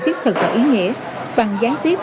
thiết thực và ý nghĩa bằng gián tiếp